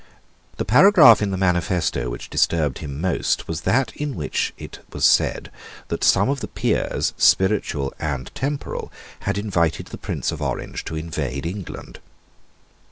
The paragraph in the manifesto which disturbed him most was that in which it was said that some of the Peers, Spiritual and Temporal, had invited the Prince of Orange to invade England.